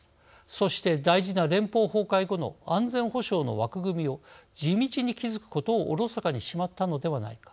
そして、大事な連邦崩壊後の安全保障の枠組みを地道に築くことをおろそかにしてしまったのではないか。